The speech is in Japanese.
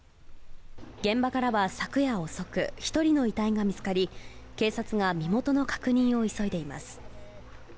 現場からは昨夜遅く、１人の遺体が見つかり、警察が身元の確認を急いでいます。